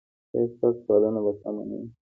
ایا ستاسو پالنه به سمه نه وي؟